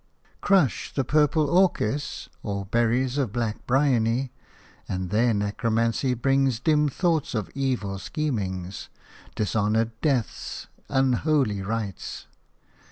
Crush the purple orchis or berries of black bryony, and their necromancy brings dim thoughts of evil schemings, dishonoured deaths, unholy rites.